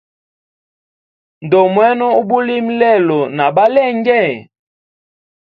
Ndomwena ubulimi lelo na balenge?